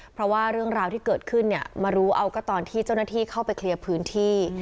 เพราะว่าเรื่องราวที่เกิดขึ้นเนี่ยมารู้เอาก็ตอนที่เจ้าหน้าที่เข้าไปเคลียร์พื้นที่